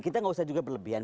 kita nggak usah juga berlebihan